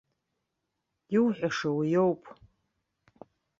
Иуҳәаша уиоуп.